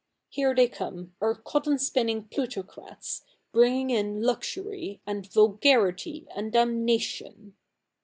Here they come, our cotton spin?ii?ig plutocrats, bringifig in luxury, and vulgarity, and damna tion